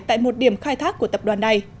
tại một điểm khai thác của tập đoàn này